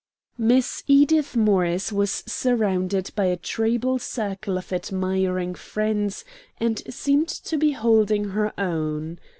Miss Edith Morris was surrounded by a treble circle of admiring friends, and seemed to be holding her own.